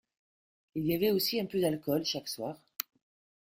Il y avait aussi un peu d’alcool chaque soir.